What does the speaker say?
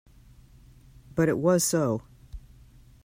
But it was so.